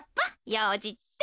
ようじって。